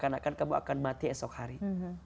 seakan akan kamu akan mati esok hari